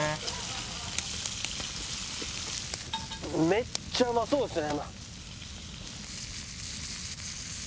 めっちゃうまそうですね。